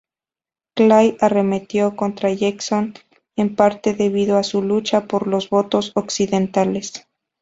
Clay arremetió contra Jackson, en parte debido a su lucha por los votos occidentales.